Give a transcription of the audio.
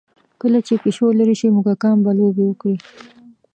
کله چې پیشو لرې شي، موږکان به لوبې وکړي.